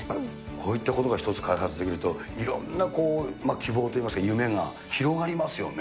こういったものが１つ開発できると、いろんな希望といいますか、夢が広がりますよね。